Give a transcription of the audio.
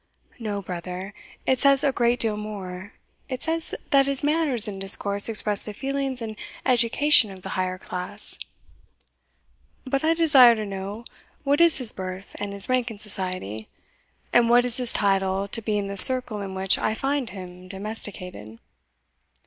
"No, brother; it says a great deal more. It says that his manners and discourse express the feelings and education of the higher class." "But I desire to know what is his birth and his rank in society, and what is his title to be in the circle in which I find him domesticated?"